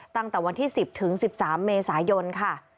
ตั้งแต่วันที่๑๐ถึง๑๓เมษายนค่ะ